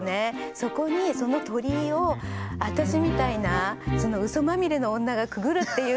そこにその鳥居を私みたいなウソまみれの女がくぐるっていうのが。